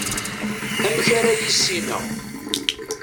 amek ara yissineɣ